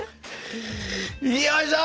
よいしょ！